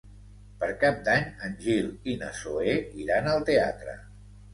Per Cap d'Any en Gil i na Zoè iran al teatre.